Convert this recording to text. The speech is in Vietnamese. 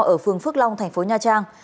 ở phương phước long thành phố nha trang